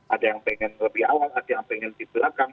ada yang pengen lebih awal ada yang pengen di belakang